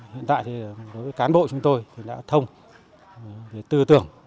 hiện tại thì đối với cán bộ chúng tôi thì đã thông về tư tưởng